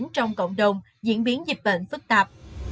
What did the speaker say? trong cộng đồng diễn biến dịch bệnh phức tạp